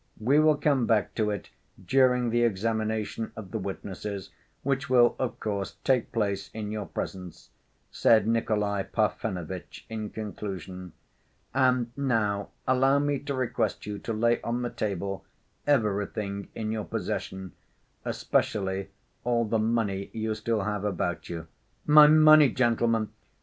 We will come back to it during the examination of the witnesses, which will, of course, take place in your presence," said Nikolay Parfenovitch in conclusion. "And now allow me to request you to lay on the table everything in your possession, especially all the money you still have about you." "My money, gentlemen?